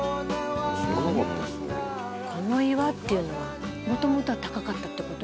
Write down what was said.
この岩っていうのはもともとは高かったってことでしょ。